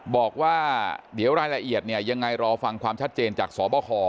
บอกว่าเดี๋ยวรายละเอียดเนี่ยยังไงรอฟังความชัดเจนจากสบค